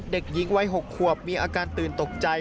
เด็กหญิงวัย๖ขวบมีอาการตื่นตกใจ